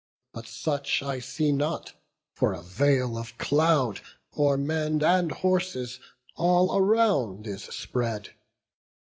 But such I see not; for a veil of cloud O'er men and horses all around is spread.